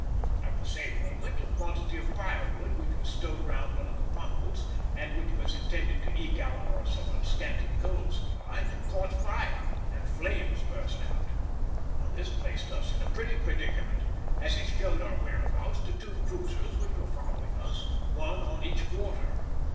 At the same moment a quantity of firewood which was stowed round one of the funnels (and which was intended to eke out our somewhat scanty coal supply) caught fire, and flames burst out. [Illustration: WILL O' THE WISP'S DASH FOR WILMINGTON. To face page 106.] This placed us in a pretty predicament, as it showed our whereabouts to two cruisers which were following us, one on each quarter.